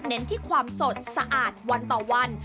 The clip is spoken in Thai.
เน้นที่ความสดสะอาดวันต่อวัน